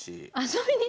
遊びに？